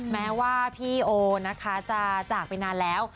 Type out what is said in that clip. แม้ว่าพี่โอนะคะจะจากไปนานแล้ว